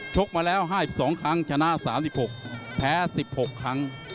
กมาแล้ว๕๒ครั้งชนะ๓๖แพ้๑๖ครั้ง